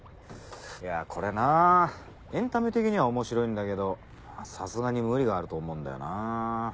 いやこれなエンタメ的には面白いんだけどさすがに無理があると思うんだよなぁ。